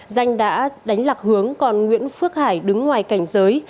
danh đã đánh lạc hướng còn nguyễn phước hải đứng ngoài cảnh giới